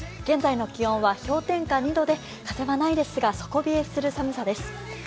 現在の気温は氷点下２度で風はないですが底冷えする寒さです。